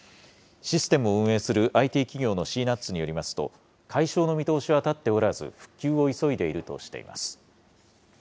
システムを運営するＩＴ企業のシーナッツによりますと、解消の見通しは立っておらず、復旧を急いでいるとしています。